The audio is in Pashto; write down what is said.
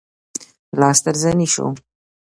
لاس تر زنې شو.